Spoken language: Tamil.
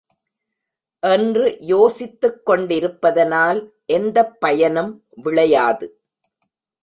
என்று யோசித்துக் கொண்டிருப்பதனால் எந்தப் பயனும் விளையாது.